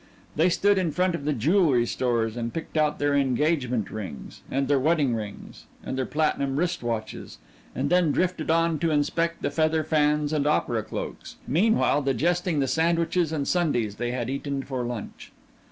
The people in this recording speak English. They stood in front of the jewelry stores and picked out their engagement rings, and their wedding rings and their platinum wrist watches, and then drifted on to inspect the feather fans and opera cloaks; meanwhile digesting the sandwiches and sundaes they had eaten for lunch.